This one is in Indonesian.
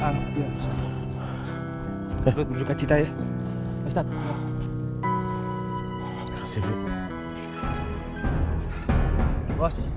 berdua berdua kasih tayang